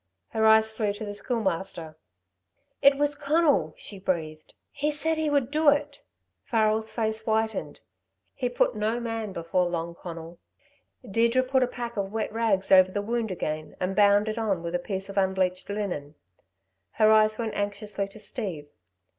Her eyes flew to the Schoolmaster. "It was Conal," she breathed. "He said he would do it." Farrel's face whitened. He put no man before Long Conal. Deirdre put a pack of wet rags over the wound again, and bound it on with a piece of unbleached linen. Her eyes went anxiously to Steve.